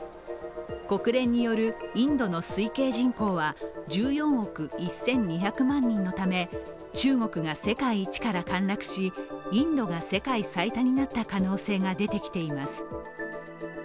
国連によるインドの推計人口は１４億１２００万人のため中国が世界一から陥落しインドが世界最多になった可能性が出てきています。